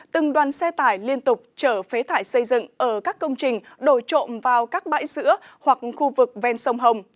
từng đoàn xe tải liên tục chở phế thải xây dựng ở các công trình đổi trộm vào các bãi sữa hoặc khu vực ven sông hồng